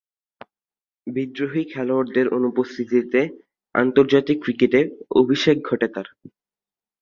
বিদ্রোহী খেলোয়াড়দের অনুপস্থিতিতে আন্তর্জাতিক ক্রিকেটে অভিষেক ঘটে তার।